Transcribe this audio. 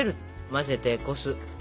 混ぜてこす。